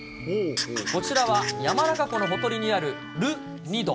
こちらは山中湖のほとりにある、ル・ニド。